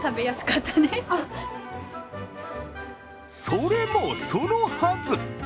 それもそのはず。